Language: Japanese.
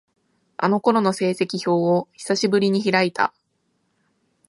あの頃の成績表を、久しぶりに開いた。